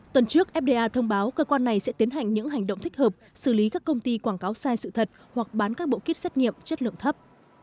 tuần trước fda thông báo cơ quan này sẽ tiến hành những hành động thích hợp xử lý các công ty quảng cáo sai sự thật hoặc bán các bộ kít xét nghiệm chất lượng thấp